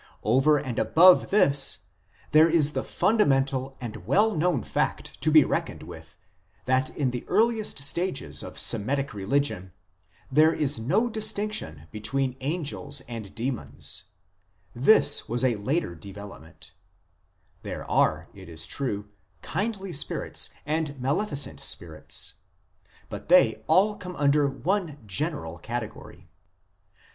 Over and above this there is the fundamental and well known fact to be reckoned with that in the earliest stages of Semitic religion there is no distinction between angels and demons ; this was a later development ; there are, it is true, kindly spirits and maleficent spirits, but they all come under one general category.